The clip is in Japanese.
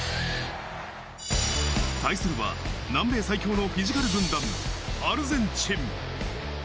対するは南米最強のフィジカル軍団アルゼンチン。